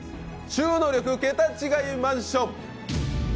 収納力桁違いマンション。